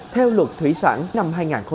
theo luật thủy sản năm hai nghìn một mươi bảy